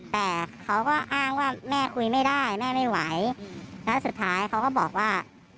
แต่เขาก็อ้างว่าแม่คุยไม่ได้แม่ไม่ไหวแล้วสุดท้ายเขาก็บอกว่า